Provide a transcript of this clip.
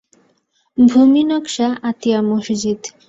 ভূমি নকশা, আতিয়া মসজিদ